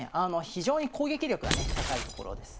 非常に攻撃力がね高いところです。